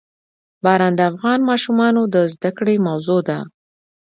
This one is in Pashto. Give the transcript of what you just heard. باران د افغان ماشومانو د زده کړې موضوع ده.